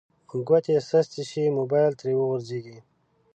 ګوتې سستې شي موبایل ترې وغورځیږي